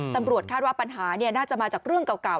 ตำรวจคาดว่าปัญหาน่าจะมาจากเรื่องเก่า